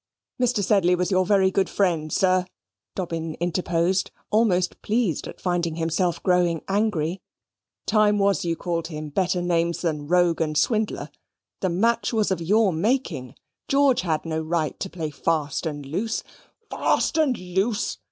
"Mr. Sedley was your very good friend, sir," Dobbin interposed, almost pleased at finding himself growing angry. "Time was you called him better names than rogue and swindler. The match was of your making. George had no right to play fast and loose " "Fast and loose!"